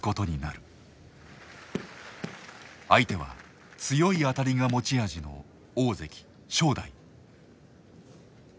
相手は強い当たりが持ち味の大関正代。